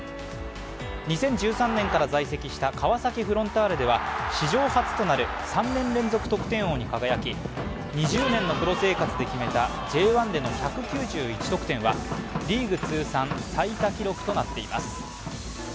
２０１３年から在籍した川崎フロンターレでは史上初となる３年連続得点王に輝き２０年のプロ生活で決めたＪ１での１９１得点はリーグ通算最多記録となっています。